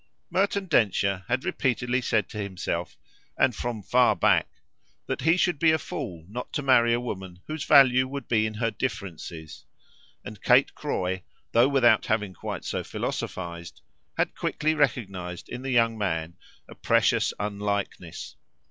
Merton Densher had repeatedly said to himself and from far back that he should be a fool not to marry a woman whose value would be in her differences; and Kate Croy, though without having quite so philosophised, had quickly recognised in the young man a precious unlikeness.